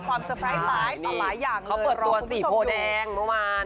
ความสไฟท์ต่อหลายอย่างหรือเพิ่มตัวสีโพด้างเราไม่ออก